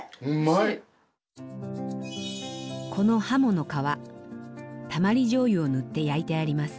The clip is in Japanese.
この鱧の皮たまりじょうゆを塗って焼いてあります。